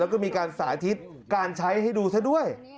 แล้วก็มีการสาธิตการใช้ให้ดูซะด้วย